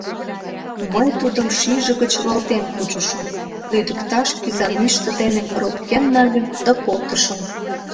Мый тудым шӱйжӧ гыч руалтен кучышым, лӱдыкташ кӱзанӱштӧ дене ропкен нальым да колтышым.